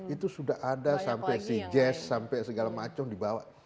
itu sudah ada sampai si jazz sampai segala macam dibawa